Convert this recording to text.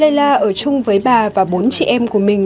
layla ở chung với bà và bốn chị em của mình